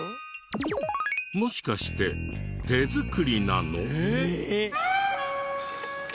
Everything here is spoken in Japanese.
もしかして手作りなの？